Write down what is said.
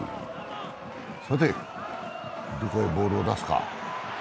さて、どこへボールを出すか。